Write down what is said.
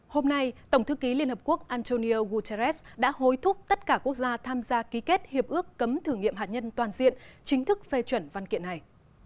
hôm nay tổng thư ký liên hợp quốc antonio guterres đã hối thúc tất cả quốc gia tham gia ký kết hiệp ước cấm thử nghiệm hạt nhân toàn diện chính thức phê chuẩn văn kiện này